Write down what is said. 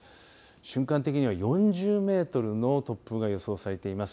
瞬間的には４０メートルの突風が予想されています。